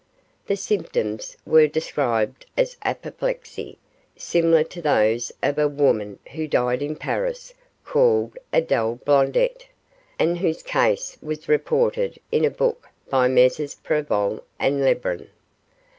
The symptoms were described as apoplexy, similar to those of a woman who died in Paris called Adele Blondet, and whose case was reported in a book by Messrs Prevol and Lebrun.